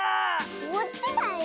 こっちだよ。